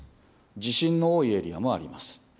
地震の多いエリアもあります。